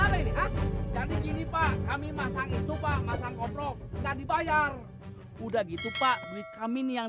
ada ini pak kami masang itu pak masang koprol nggak dibayar udah gitu pak beli kami nih yang